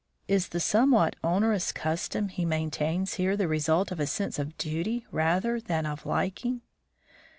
"Is the somewhat onerous custom he maintains here the result of a sense of duty rather than of liking?"